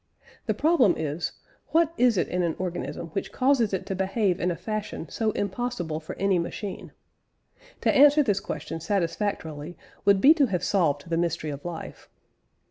The problem is: What is it in an organism which causes it to behave in a fashion so impossible for any machine? To answer this question satisfactorily would be to have solved the mystery of life.